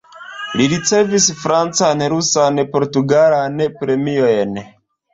Li ricevis francan, rusan, portugalan premiojn.